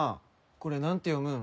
これ何て読むん？